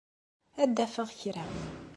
Ad d-afeɣ kra.